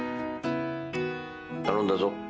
頼んだぞ。